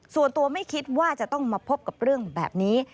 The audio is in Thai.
ส่วนตัวไม่คิดว่าจะต้องมาพบกับเรื่องแบบนี้